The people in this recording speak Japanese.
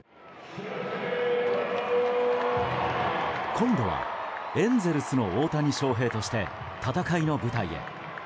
今度はエンゼルスの大谷翔平として戦いの舞台へ。